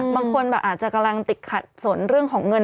บางคนแบบอาจจะกำลังติดขัดสนเรื่องของเงิน